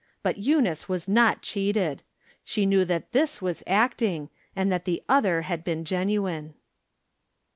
But Eunice was not cheated ; she knew that this was acting, and that the other had been genuine.